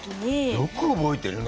よく覚えてるね。